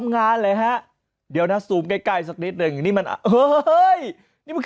วางข้าวไว้ให้ที่โต๊ะทำงานนะ